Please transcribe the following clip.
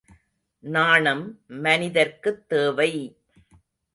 நாணம் மனிதர்க்குத் தேவை!